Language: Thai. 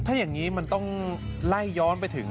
ถ้าอย่างนี้มันต้องไล่ย้อนไปถึง